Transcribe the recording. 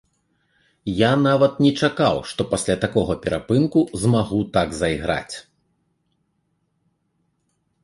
Я нават не чакаў, што пасля такога перапынку змагу так зайграць.